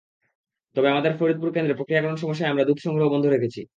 তবে আমাদের ফরিদপুর কেন্দ্রে প্রক্রিয়াকরণ সমস্যায় আমরা দুধ সংগ্রহ বন্ধ রেখেছি।